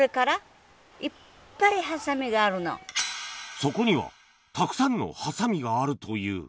そこにはたくさんのハサミがあるという